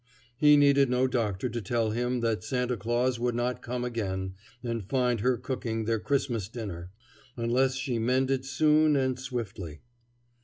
He needed no doctor to tell him that Santa Claus would not come again and find her cooking their Christmas dinner, unless she mended soon and swiftly.